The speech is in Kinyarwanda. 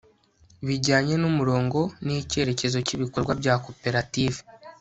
bijyanye n'umurongo n'icyerekezo cy'ibikorwa bya koperative